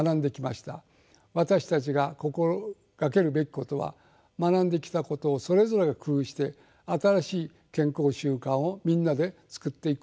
私たちが心掛けるべきことは学んできたことをそれぞれ工夫して「新しい健康習慣」をみんなで作っていくことです。